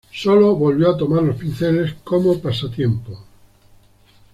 Solo volvió a tomar los pinceles como pasatiempo.